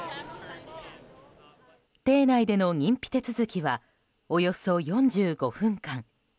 邸内での認否手続きはおよそ４５分間。